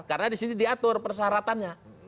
karena disini diatur persyaratannya